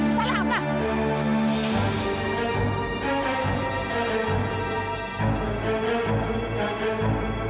kamu sudah mau kucing patrick